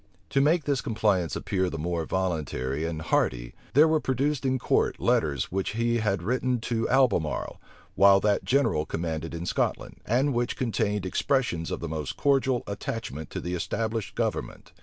To make this compliance appear the more voluntary and hearty, there were produced in court letters which he had written to Albemarle, while that general commanded in Scotland, and which contained expressions of the most cordial attachment to the established government.